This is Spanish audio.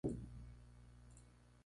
Son animales nocturnos y omnívoros.